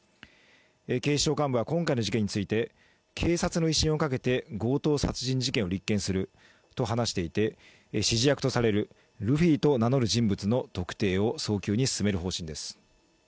警視庁幹部は今回の事件について警察の威信にかけて強盗殺人事件を立件すると話していて指示役とされるルフィと名乗る人物の特定を早急に進める方針です。